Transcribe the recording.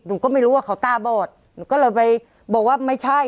หนูก็ไม่รู้ว่าเขาตาบอดหนูก็เลยไปบอกว่าไม่ใช่